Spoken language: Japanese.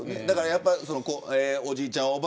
だからやっぱりおじいちゃん